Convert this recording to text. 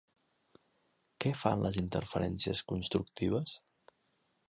Què fan les interferències constructives?